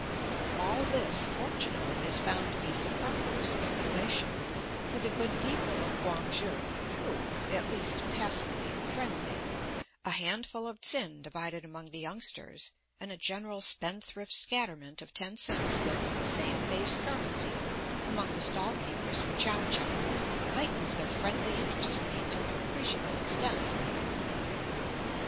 All this, fortunately, is found to be superfluous speculation, for the good people of Quang shi prove, at least, passively friendly; a handful of tsin divided among the youngsters, and a general spendthrift scatterment of ten cents' worth of the same base currency among the stall keepers for chow chow heightens their friendly interest in me to an appreciable extent.